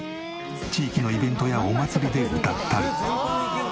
地域のイベントやお祭りで歌ったり。